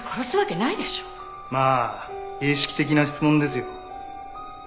まあ形式的な質問ですよ。